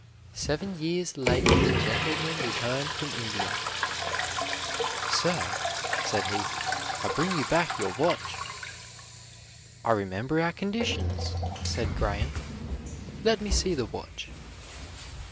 Seven years later the gentleman returned from India. "Sir," said he, "I bring you back your watch." "I remember our conditions," said Graham. "Let me see the watch.